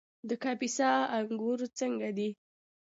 د کاپیسا انګور څنګه دي؟